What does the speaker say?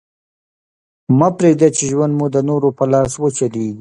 مه پرېږده، چي ژوند مو د نورو په لاس وچلېږي.